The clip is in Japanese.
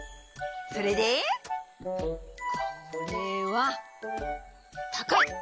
それでこれはたかい！